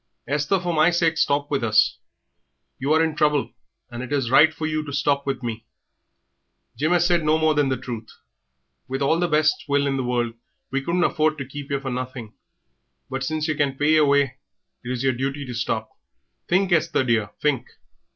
Esther, for my sake stop with us. You are in trouble, and it is right for you to stop with me. Jim 'as said no more than the truth. With all the best will in the world we couldn't afford to keep yer for nothing, but since yer can pay yer way, it is yer duty to stop. Think, Esther, dear, think.